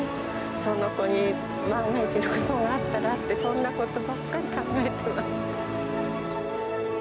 その子に万が一何かがあったらって、そんなことばっかり考えてます。